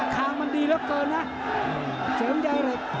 คลางมันดีแล้วเกินนะ